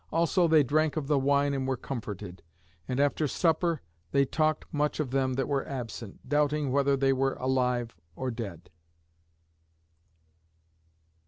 Also they drank of the wine and were comforted. And after supper they talked much of them that were absent, doubting whether they were alive or dead.